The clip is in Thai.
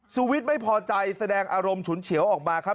วิทย์ไม่พอใจแสดงอารมณ์ฉุนเฉียวออกมาครับ